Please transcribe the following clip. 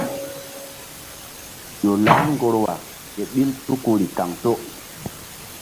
Ƴo lah ŋgorwa kéɓil tukuri kaŋto.